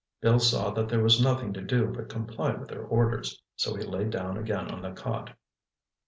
Bill saw that there was nothing to do but comply with her orders, so he lay down again on the cot.